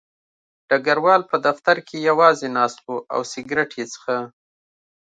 ډګروال په دفتر کې یوازې ناست و او سګرټ یې څښه